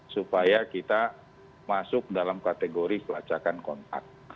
supaya kita masuk dalam kategori pelacakan kontak